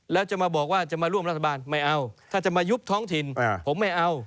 แล้วจะมาบอกว่าจะมาร่วมรัฐบาลไม่เอาถ้าจะมายุบท้องถิ่นผมไม่เอา